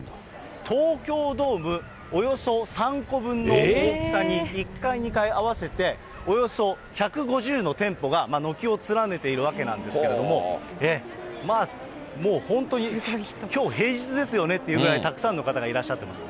東京ドームおよそ３個分の大きさに１階、２階合わせて、およそ１５０の店舗が軒を連ねているわけなんですけれども、もう本当に、きょう平日ですよねっていうほどたくさんの方がいらっしゃってます。